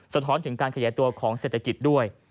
สะท้อนถึงการขยายตัวของเศรษฐกิจด้วย